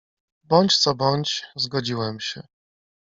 "Bądź co bądź, zgodziłem się."